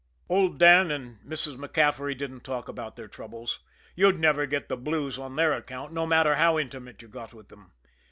Old Dan and Mrs. MacCaffery didn't talk about their troubles. You'd never get the blues on their account, no matter how intimate you got with them.